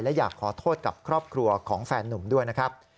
และอยากขอโทษกับครอบครัวของแฟนนุ่มด้วยนะครับ